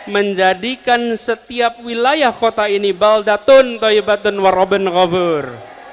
menjadikan setiap wilayah kota ini baldatun toibatun warobengobur